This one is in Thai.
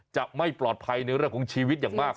จะไม่ปลอดภัยในเรื่องของชีวิตอย่างมาก